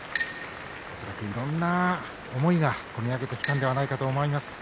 恐らくいろんな思いが込み上げてきたのではないかと思います。